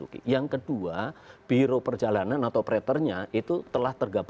kita bisa bertanggung jawab